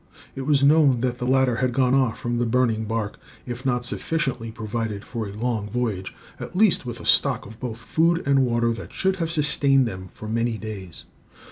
It was known that the latter had gone off from the burning bark, if not sufficiently provided for a long voyage, at least with a stock of both food and water that should have sustained them for many days.